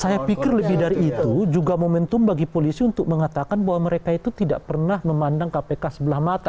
saya pikir lebih dari itu juga momentum bagi polisi untuk mengatakan bahwa mereka itu tidak pernah memandang kpk sebelah mata